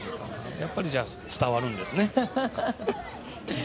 やっぱり伝わるんですね。